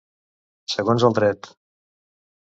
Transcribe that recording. Segons el dret.